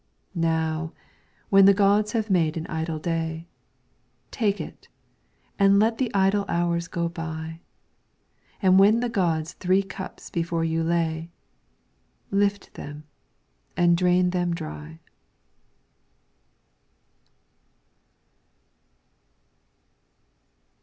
Now, when the gods have made an idle day, Take it, and let the idle hours go by ; And when the gods three cups before you lay, Lift them, and drain them dry.